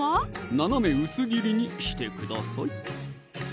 斜め薄切りにしてください！